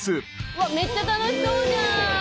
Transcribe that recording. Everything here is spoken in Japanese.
めっちゃ楽しそうじゃん！